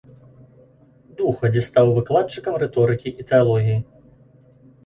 Духа, дзе стаў выкладчыкам рыторыкі і тэалогіі.